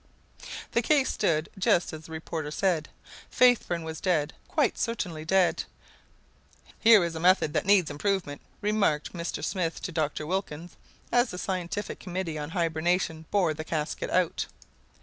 The case stood just as the reporter said. Faithburn was dead, quite certainly dead! "Here is a method that needs improvement," remarked Mr. Smith to Dr. Wilkins, as the scientific committee on hibernation bore the casket out.